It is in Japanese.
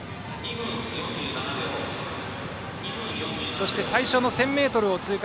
そして最初の１０００ｍを通過。